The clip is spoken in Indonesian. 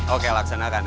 oke laksanakan ya